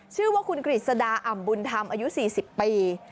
ชื่อว่าคุณกฤษดาอ่ำบุญธรรมอายุ๔๐ปี